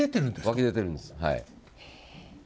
湧き出てるんです。